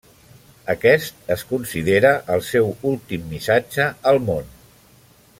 Aquest es considera el seu últim missatge al món.